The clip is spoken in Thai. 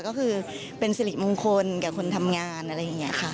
ก็คือเป็นสีลิ่งมุมคลกับคนทำงานอะไรอ่ะ